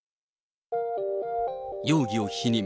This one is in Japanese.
容疑を否認。